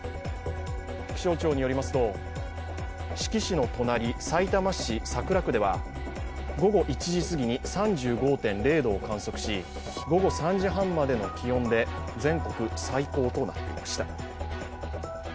気象庁によりますと、志木市の隣さいたま市桜区では午後１時すぎに３５．０度を観測し、午後３時半までの気温で全国最高となっていました。